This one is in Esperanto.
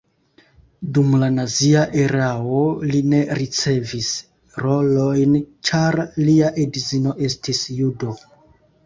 Dum la nazia erao li ne ricevis rolojn, ĉar lia edzino estis judo.